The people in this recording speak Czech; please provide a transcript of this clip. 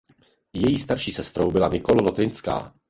Její starší sestrou byla Nicole Lotrinská.